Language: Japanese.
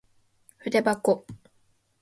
ふでばこ